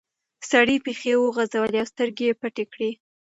سړي پښې وغځولې او سترګې پټې کړې.